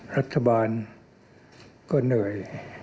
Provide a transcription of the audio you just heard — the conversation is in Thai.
รัฐบาลก็เหนื่อย